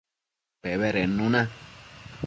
Pebedednu na